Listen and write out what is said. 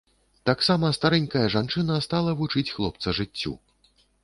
Таксама старэнькая жанчына стала вучыць хлопца жыццю.